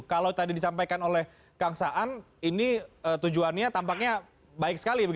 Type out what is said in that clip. kalau tadi disampaikan oleh kang saan ini tujuannya tampaknya baik sekali